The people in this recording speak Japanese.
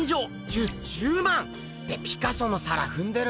じゅ１０万⁉ってピカソの皿ふんでる！